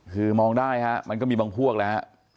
คือมองได้ฮะมันก็มีบางพวกแล้วฮะ